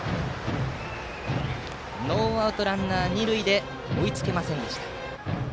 ノーアウトランナー、二塁で追いつけませんでした。